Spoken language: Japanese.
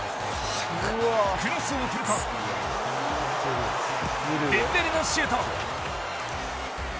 クロスを送るとデンベレのシュート。